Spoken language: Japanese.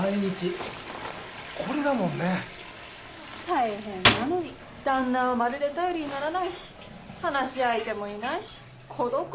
大変なのに旦那はまるで頼りにならないし話し相手もいないし孤独で死んじゃいそう。